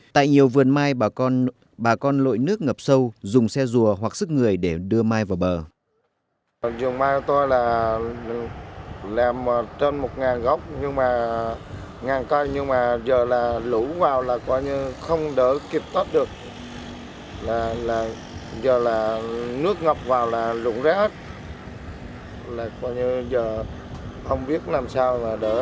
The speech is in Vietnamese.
tại nhiều vườn mai bà con lội nước ngập sâu dùng xe rùa hoặc sức người để đưa mai vào bờ